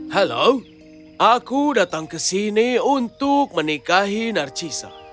halo aku datang ke sini untuk menikahi narcisa